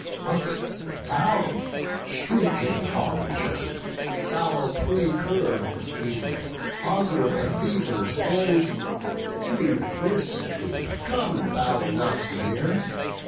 But thou shrieking harbinger, 5 Foul precurrer of the fiend, Augur of the fever's end, To this troop come thou not near.